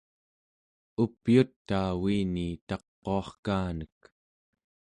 upyutaa uini taquarkaanek